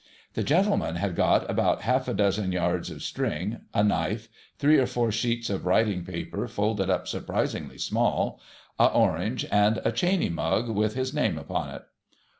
The gentleman had got about half a dozen yards of string, a knife, three or four sheets of writing paper folded up surprising small, a orange, and a Chaney mug with his name upon it.